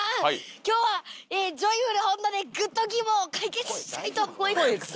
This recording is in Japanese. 今日はジョイフル本田でグッドギモンを解決したいと思います。